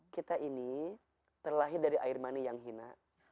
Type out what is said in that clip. kita ini terlahir dari air mani yang hina